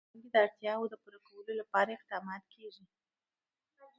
په افغانستان کې د نمک د اړتیاوو پوره کولو لپاره اقدامات کېږي.